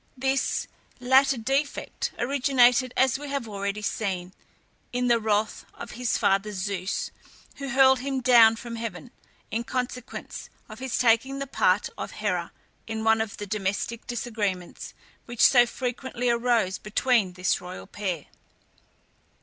This latter defect originated, as we have already seen, in the wrath of his father Zeus, who hurled him down from heaven in consequence of his taking the part of Hera, in one of the domestic disagreements, which so frequently arose between this royal pair.